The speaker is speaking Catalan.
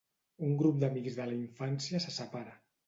Un grup d'amics de la infància se separa.